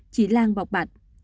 chị lan bọc bạch